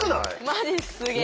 マジすげえ。